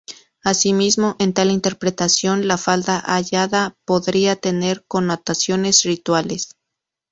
Así mismo, en tal interpretación la falda hallada podría tener connotaciones rituales.